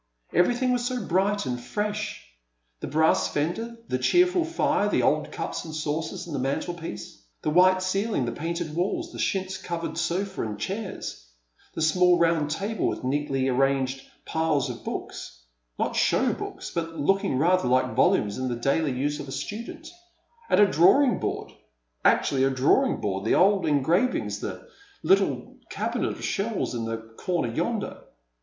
Everything was so bright and fresh, the brass fender, the cheerful fire, the old cups and saucers on the mantelpiece, the white ceiling, the painted walls, the chintz covered sofa and chairs, the small round table with neatly arranged piles of books — not show books, but looking rather like volumes in the daily use of a student — and a draw ing board — actually a drawing board, the old engravings, the little cabinet of shells in the corner j'onder.